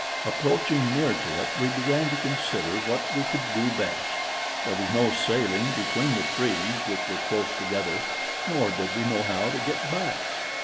Approaching near to it, we began to consider what we could do best. There was no sailing between the trees, which were close together, nor did we know how to get back.